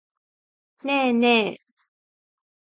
ねえねえ。